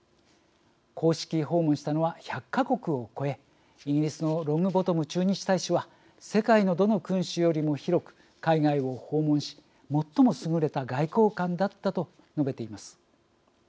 公式訪問したのは１００か国を超え、イギリスのロングボトム駐日大使は「世界の、どの君主よりも広く海外を訪問し最も優れた外交官だった」と述べています。